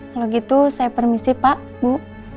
kalau gitu saya permisi pak bu